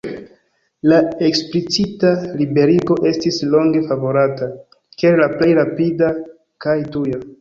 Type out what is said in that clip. La eksplicita liberigo estis longe favorata, kiel la plej rapida kaj tuja.